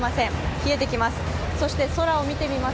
冷えてきます。